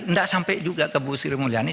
nggak sampai juga ke bu sri mulyani